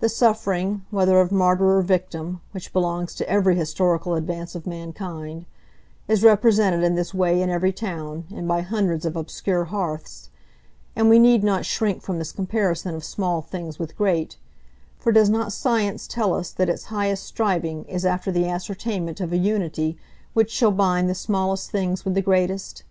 The suffering, whether of martyr or victim, which belongs to every historical advance of mankind, is represented in this way in every town, and by hundreds of obscure hearths; and we need not shrink from this comparison of small things with great; for does not science tell us that its highest striving is after the ascertainment of a unity which shall bind the smallest things with the greatest?